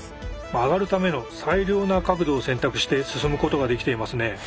曲がるための最良な角度を選択して進むことができていますね。